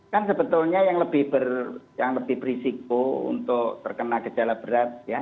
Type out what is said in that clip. kan sebetulnya yang lebih berisiko untuk terkena gejala berat ya